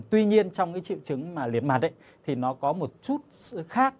tuy nhiên trong cái triệu chứng mà liền mặt thì nó có một chút khác